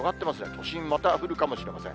都心、また降るかもしれません。